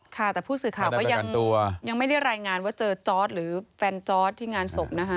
ค่ะแต่ผู้สื่อข่าวก็ยังไม่ได้รายงานว่าเจอจอร์ดหรือแฟนจอร์ดที่งานศพนะคะ